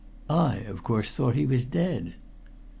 I, of course, thought he was dead."